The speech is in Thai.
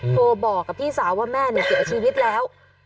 โทรบอกกับพี่สาวว่าแม่เสียชีวิตแล้ว